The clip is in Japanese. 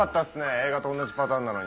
映画とおんなじパターンなのに。